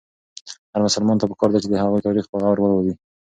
هر مسلمان ته پکار ده چې د هغوی تاریخ په غور ولولي.